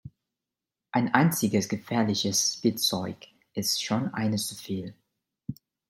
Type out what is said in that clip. Ein einziges gefährliches Spielzeug ist schon eines zu viel.